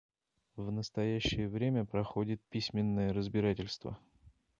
В настоящее время проходит письменное разбирательство.